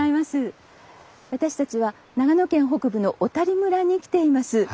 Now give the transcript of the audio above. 私たちは長野県北部の小谷村に来ています。